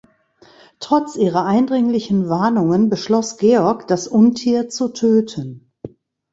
Trotz ihrer eindringlichen Warnungen beschloss Georg das Untier zu töten.